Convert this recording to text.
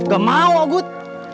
gak mau agut